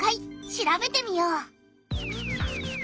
調べてみよう。